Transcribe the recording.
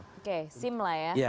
oke sim lah ya